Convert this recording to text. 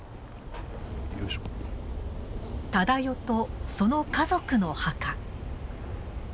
忠世と、その家族の墓。